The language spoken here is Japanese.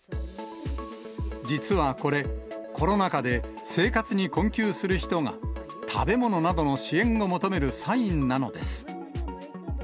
実はこれ、コロナ禍で生活に困窮する人が、食べ物などの支援を求めるサインなのです。